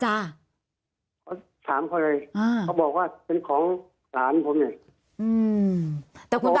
จ้ะถามเขาเลยอ่าเขาบอกว่าเป็นของหลานผมเนี้ยอืมแต่คุณตา